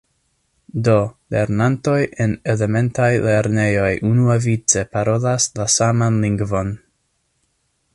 Do lernantoj en elementaj lernejoj unuavice parolas la saman lingvon.